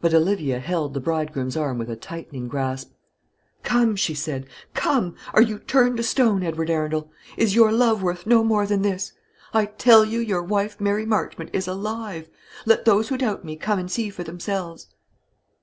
But Olivia held the bridegroom's arm with a tightening grasp. "Come!" she said; "come! Are you turned to stone, Edward Arundel? Is your love worth no more than this? I tell you, your wife, Mary Marchmont, is alive. Let those who doubt me come and see for themselves."